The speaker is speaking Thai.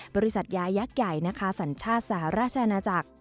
บริษัทยายักษ์ใหญ่นะคะสัญชาติสหราชอาณาจักร